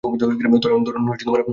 ধরেন, আপনার ক্ষেত আছে?